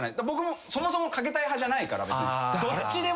僕もそもそもかけたい派じゃないから別に。